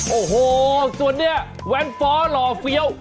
โอ้โฮส่วนเนี่ยแวงฟ้าหล่อเฟี้ยว